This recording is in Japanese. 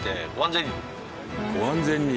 「ご安全に」。